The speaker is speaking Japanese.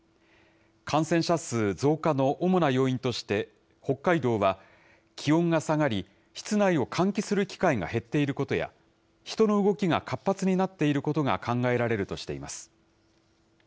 感染者数増加の主な要因として、北海道は、気温が下がり、室内を換気する機会が減っていることや、人の動きが活発になっていることが考えられるとしています。